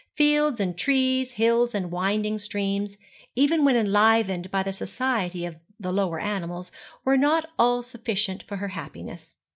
Fields and trees, hills and winding streams, even when enlivened by the society of the lower animals, were not all sufficient for her happiness.